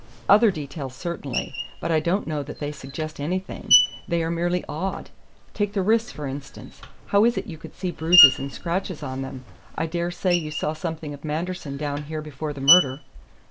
"Other details, certainly; but I don't know that they suggest anything. They are merely odd. Take the wrists, for instance. How is it you could see bruises and scratches on them? I dare say you saw something of Manderson down here before the murder?"